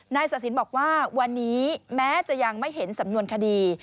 สะสินบอกว่าวันนี้แม้จะยังไม่เห็นสำนวนคดี